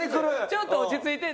ちょっと落ち着いて。